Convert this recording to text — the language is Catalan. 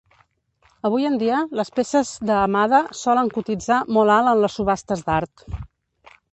Avui en dia, les peces de Hamada solen cotitzar molt alt en les subhastes d'art.